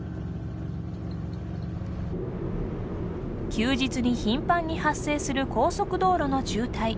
休日に頻繁に発生する高速道路の渋滞。